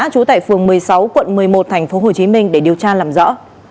trú tại phường một mươi sáu quận một mươi một tp hcm để điều tra làm rõ